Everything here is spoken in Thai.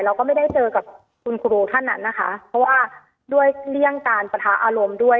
เราก็ไม่ได้เจอกับคุณครูท่านนั้นนะคะเพราะว่าด้วยเรื่องการปะทะอารมณ์ด้วย